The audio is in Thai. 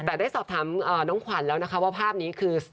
แต่ได้สอบถามน้องขวัญแล้วนะคะว่าภาพนี้คือ